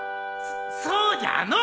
そそうじゃのう！